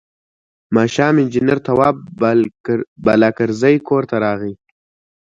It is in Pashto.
ماښام انجنیر تواب بالاکرزی کور ته راغی.